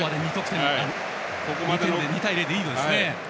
２対０とリードですね。